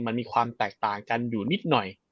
มันมีความแตกต่างกันอยู่นิดหน่อย